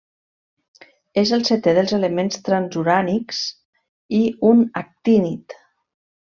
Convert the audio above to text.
És el setè dels elements transurànics, i un actínid.